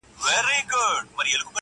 آزارونه را پسې به وي د زړونو.!